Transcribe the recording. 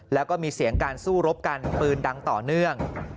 แล้วก็มีเสียงการสู้รบกันปืนดังต่อเนื่อง